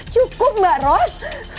cukup mbak ros